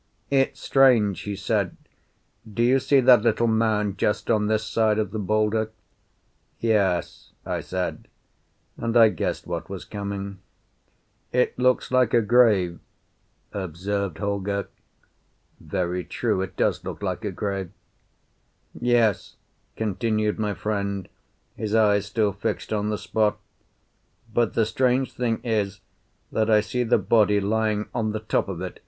"It's strange," he said. "Do you see that little mound just on this side of the boulder?" "Yes," I said, and I guessed what was coming. "It looks like a grave," observed Holger. "Very true. It does look like a grave." "Yes," continued my friend, his eyes still fixed on the spot. "But the strange thing is that I see the body lying on the top of it.